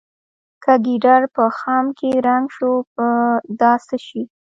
که ګیدړ په خم کې رنګ شو په دا څه شي.